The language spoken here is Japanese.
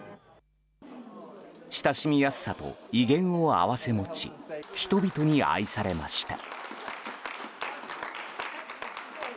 親しみやすさと威厳を併せ持ち人々に愛されました。